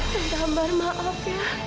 tentang ambar maaf ya